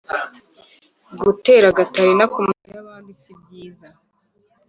gutera gatarina ku mazu yabandi si byiza